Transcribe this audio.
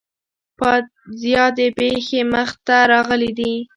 زیاتې پیښې منځته راغلي وي.